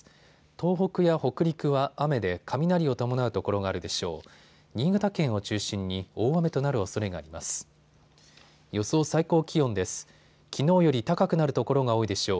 東北や北陸は雨で雷を伴う所があるでしょう。